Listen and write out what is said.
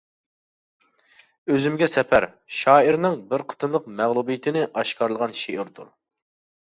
«ئۆزۈمگە سەپەر» شائىرنىڭ بىر قېتىملىق مەغلۇبىيىتىنى ئاشكارىلىغان شېئىرىدۇر.